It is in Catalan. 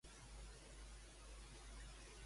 Al meu llistat de vacances afegeix-me Escòcia.